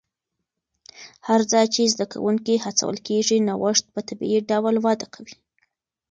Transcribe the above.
هر ځای چې زده کوونکي هڅول کېږي، نوښت په طبیعي ډول وده کوي.